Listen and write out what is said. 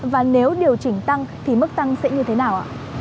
và nếu điều chỉnh tăng thì mức tăng sẽ như thế nào ạ